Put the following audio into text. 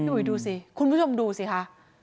อุ๋ยดูสิคุณผู้ชมดูสิคะ